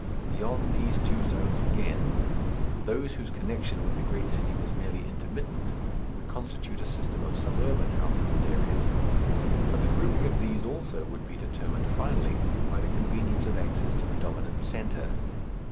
Beyond these two zones, again, those whose connection with the great city was merely intermittent would constitute a system of suburban houses and areas. But the grouping of these, also, would be determined finally by the convenience of access to the dominant centre.